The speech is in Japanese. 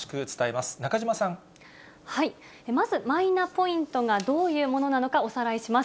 まず、マイナポイントがどういうものなのか、おさらいします。